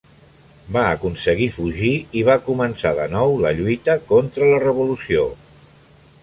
Va aconseguir fugir i va començar de nou la lluita contra la revolució.